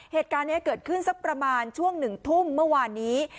เหตุการณ์นี้เกิดขึ้นสักประมาณช่วง๑ทุ่มเมื่อวานนี้